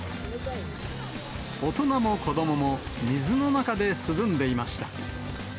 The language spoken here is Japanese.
大人も子どもも水の中で涼んでいました。